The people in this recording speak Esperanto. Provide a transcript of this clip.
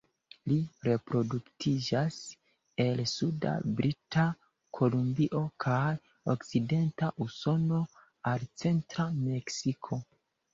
Ĝi reproduktiĝas el suda Brita Kolumbio kaj okcidenta Usono al centra Meksiko.